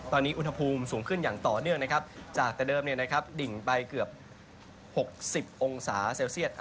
ตอนนี้อุณหภูมิสูงขึ้นอย่างต่อเนื่องนะครับจากแต่เดิมดิ่งไปเกือบ๖๐องศาเซลเซียต